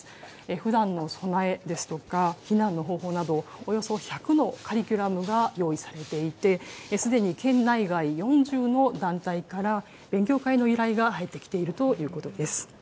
ふだんの備えですとか、避難の方法など、およそ１００のカリキュラムが用意されていて、すでに県内外４０の団体から、勉強会の依頼が入ってきているということです。